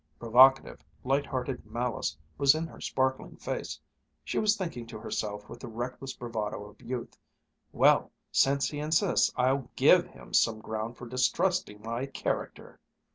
Provocative, light hearted malice was in her sparkling face. She was thinking to herself with the reckless bravado of youth, "Well, since he insists, I'll give him some ground for distrusting my character!"